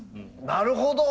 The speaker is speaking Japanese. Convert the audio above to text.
なるほど！